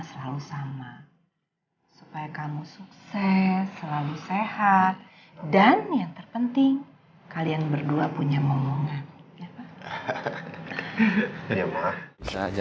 selalu sama supaya kamu sukses selalu sehat dan yang terpenting kalian berdua punya mohonnya